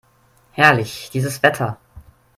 Herrlich, dieses Wetter!